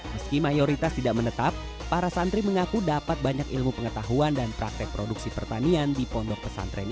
meski mayoritas tidak menetap para santri mengaku dapat banyak ilmu pengetahuan dan praktek produksi pertanian di pondok pesantren